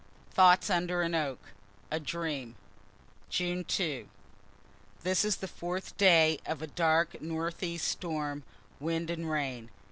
THOUGHTS UNDER AN OAK A DREAM June 2. This is the fourth day of a dark northeast storm, wind and rain.